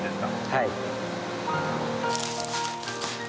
はい。